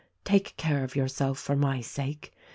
"Take care of yourself for my sake.